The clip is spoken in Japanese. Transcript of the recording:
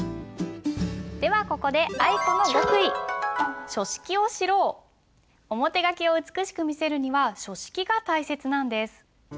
ではここで表書きを美しく見せるには書式が大切なんです。